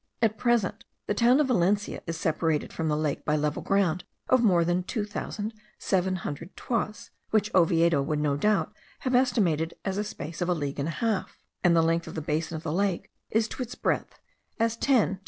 At present, the town of Valencia is separated from the lake by level ground of more than two thousand seven hundred toises (which Oviedo would no doubt have estimated as a space of a league and a half); and the length of the basin of the lake is to its breadth as 10 to 2.